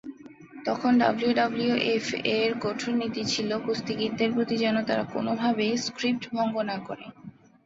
তখন ডাব্লিউডাব্লিউএফ এর কঠোর নীতি ছিল কুস্তিগীর দের প্রতি যেনো তারা কোনোভাবেই স্ক্রিপ্ট ভঙ্গ না করে।